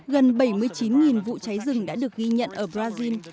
gần bảy mươi chín vụ cháy rừng đã được ghi nhận ở brazil